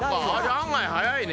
案外早いね。